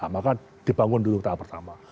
maka dibangun dulu tahap pertama